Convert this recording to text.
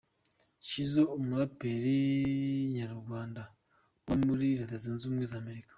Shizzo, umuraperi nyarwanda uba muri Leta Zunze Ubumwe za Amerika.